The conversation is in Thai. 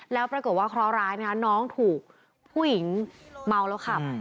แล้วปรากฏว่าคร้อร้ายน้องถูกผู้หญิงเมาแล้วขับ